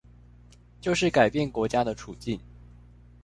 就是改變國家的處境